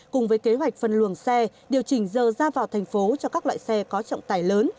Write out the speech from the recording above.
cùng với kế hoạch phân luồng xe điều chỉnh giờ ra vào thành phố cho các loại xe có trọng tải lớn